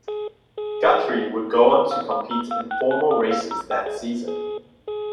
Guthrie would go on to compete in four more races that season.